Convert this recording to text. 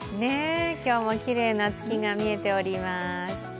今日もきれいな月が見えております。